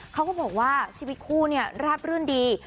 เขาก็บอกว่าชีวิตคู่เนี่ยราบรื่นดี